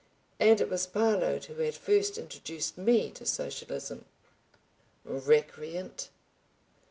And it was Parload who had first introduced me to socialism! Recreant!